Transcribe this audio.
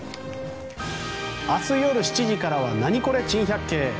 明日夜７時からは「ナニコレ珍百景」。